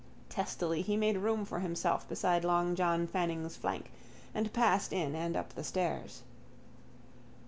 Testily he made room for himself beside long John Fanning's flank and passed in and up the stairs.